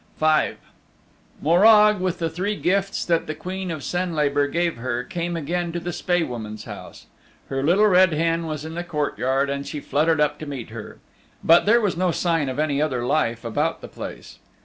V Morag, with the three gifts that the Queen of Senlabor gave her, came again to the Spae Woman's house. Her Little Red Hen was in the courtyard, and she fluttered up to meet her. But there was no sign of any other life about the place.